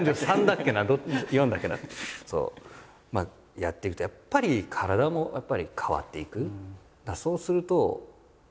やっていくとやっぱり体もやっぱり変わっていく。